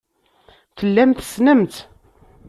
Tellam tessnem-tt.